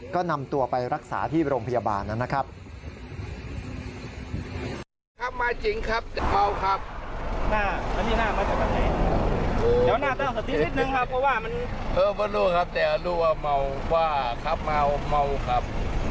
ก็นำตัวไปรักษาที่โรงพยาบาลนะครับ